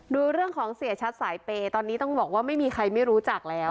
ดูเรื่องของเสียชัดสายเปย์ตอนนี้ต้องบอกว่าไม่มีใครไม่รู้จักแล้ว